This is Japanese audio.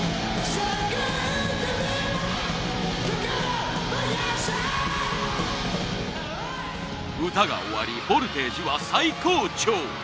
「心燃やせ」歌が終わりボルテージは最高潮！